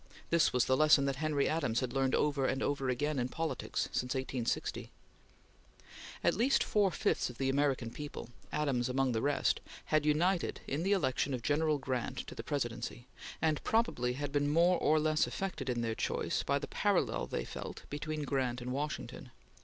This was the lesson that Henry Adams had learned over and over again in politics since 1860. At least four fifths of the American people Adams among the rest had united in the election of General Grant to the Presidency, and probably had been more or less affected in their choice by the parallel they felt between Grant and Washington.